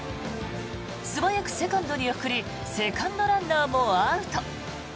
素早くセカンドに送りセカンドランナーもアウト。